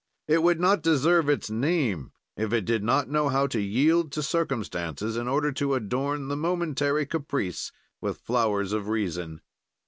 It would not deserve its name if it did not know how to yield to circumstances, in order to adorn the momentary caprice with flowers of reason.